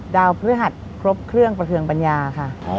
พฤหัสครบเครื่องประเทืองปัญญาค่ะ